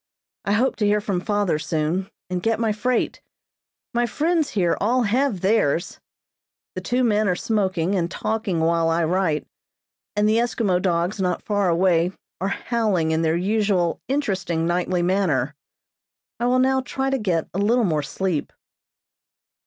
I hope to hear from father soon, and get my freight. My friends here have all theirs. The two men are smoking and talking while I write, and the Eskimo dogs not far away are howling in their usual interesting nightly manner. I will now try to get a little more sleep."